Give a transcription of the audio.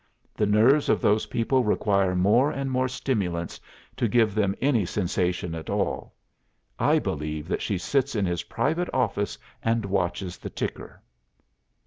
The nerves of those people require more and more stimulants to give them any sensation at all. I believe that she sits in his private office and watches the ticker.